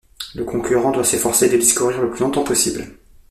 Le concurrent doit s'efforcer de discourir le plus longtemps possible.